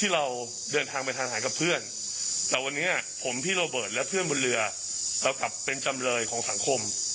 และเพื่อนบนเรือเรากลับเป็นจำเลยของสังคม